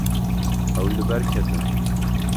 Ew li ber ketin.